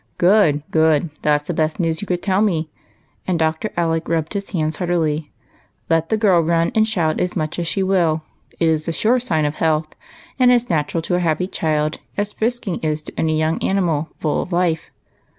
" Good, — good ! that 's the best news you could tell me ;" and Dr. Alec rubbed his hands heartily. " Let the girl run and shout as much as she will, — it is a sure sign of health, and as natural to a happy child as frisking is to any young animal full of life.